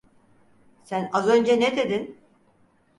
Sen az önce ne dedin?